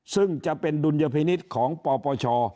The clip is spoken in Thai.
ซึ่งจะเป็นดุลยพินิษฐ์ของปปช